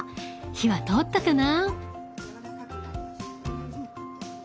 火は通ったかな？